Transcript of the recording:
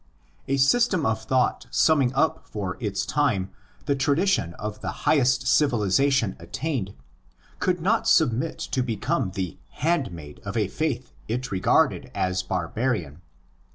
A system of thought summing up for its time the tradition of the highest civilisation attained could not submit to become the "" handmaid" of a faith it regarded as barbarian.